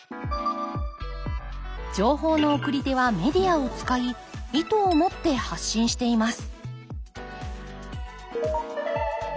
情報の送り手はメディアを使い意図を持って発信しています